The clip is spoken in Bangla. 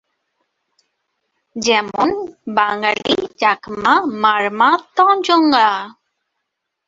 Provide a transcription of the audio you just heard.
যেমন: বাঙ্গালী, চাকমা, মারমা, তঞ্চঙ্গ্যা।